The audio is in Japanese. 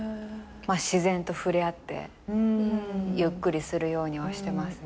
まあ自然と触れ合ってゆっくりするようにはしてますね。